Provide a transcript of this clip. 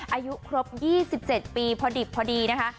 อายุครบยี่สิบเจ็ดปีภอดิบพอดีนะคะ